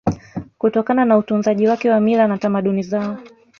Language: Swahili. kutokana na utunzaji wake wa mila na tamaduni zao